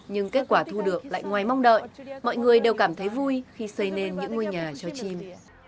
nhưng kết quả thu được lại ngoài mong đợi mọi người đều cảm thấy vui khi xây nên những ngôi nhà cho chim